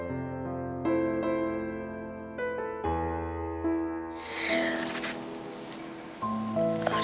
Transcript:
adalah tranquilitsi yang paling elders effects